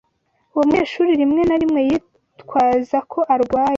Uwo munyeshuri rimwe na rimwe yitwaza ko arwaye.